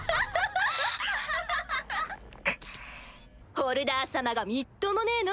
ホルダー様がみっともねぇの。